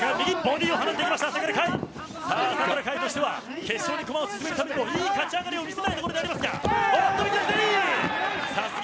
朝倉海としては決勝に駒を進めるためにもいい勝ち上がりを見せたいところではありますが。